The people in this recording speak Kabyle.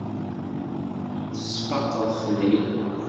Tesfaqeḍ-ten-id.